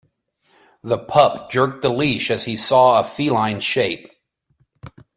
The pup jerked the leash as he saw a feline shape.